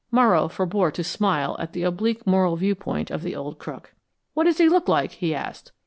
Morrow forbore to smile at the oblique moral viewpoint of the old crook. "What does he look like?" he asked.